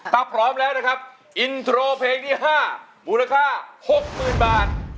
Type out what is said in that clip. ถ้าพร้อมแล้วนะครับอินโทรเพลงที่๕มูลค่า๖๐๐๐บาท